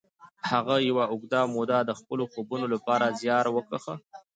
هغه یوه اوږده موده د خپلو خوبونو لپاره زیار وکیښ